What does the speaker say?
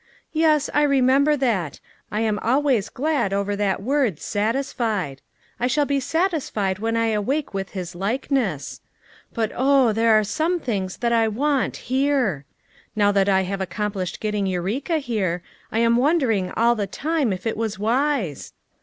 "Yes, I remember that; I am always glad over that word 'satisfied 5 ; 'I shall be satisfied when I awake with his likeness ;? but oh, there are some things that I want — here. Now that I have accomplished getting Eureka here, I am wondering all the time if it was wise.